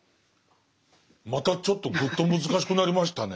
またちょっとぐっと難しくなりましたね